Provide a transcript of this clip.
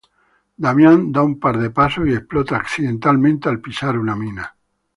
Damian da un par de pasos y explota accidentalmente al pisar una mina.